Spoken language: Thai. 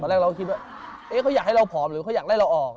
แรกเราก็คิดว่าเขาอยากให้เราผอมหรือเขาอยากไล่เราออก